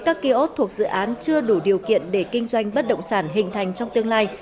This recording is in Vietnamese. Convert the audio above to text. các kiosk thuộc dự án chưa đủ điều kiện để kinh doanh bất động sản hình thành trong tương lai